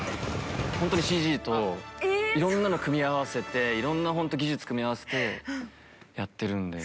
ホントにＣＧといろんなの組み合わせていろんなホント技術組み合わせてやってるんで。